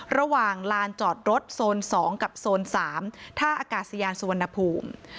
ลานจอดรถโซน๒กับโซน๓ท่าอากาศยานสุวรรณภูมิ